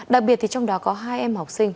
đặc biệt trong đó có hai em học sinh